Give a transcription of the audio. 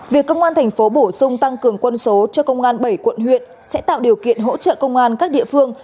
việc công an thành phố bổ sung tăng cường quân số cho công an bảy quận huyện sẽ tạo điều kiện hỗ trợ công an các địa phương